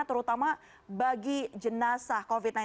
terutama bagi jenazah covid sembilan belas